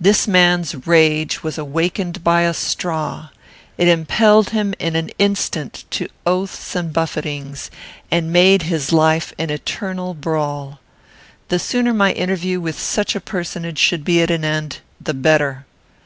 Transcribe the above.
This man's rage was awakened by a straw; it impelled him in an instant to oaths and buffetings, and made his life an eternal brawl. The sooner my interview with such a personage should be at an end, the better.